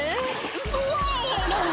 「うわ！